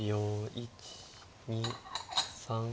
１２３４。